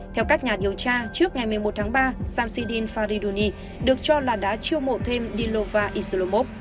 theo các nhà điều tra trước ngày một mươi một tháng ba samsidin faridoni được cho là đã chiêu mộ thêm dilova islomov